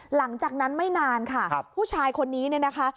หลังจากนั้นไม่นานค่ะผู้ชายคนนี้เนี่ยนะคะ